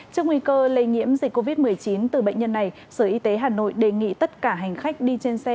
trước nguy cơ lây nhiễm dịch covid một mươi chín từ bệnh nhân này sở y tế hà nội đề nghị tất cả hành khách đi trên xe